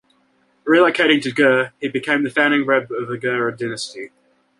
Relocating to Ger, he became the founding rebbe of the Gerrer dynasty.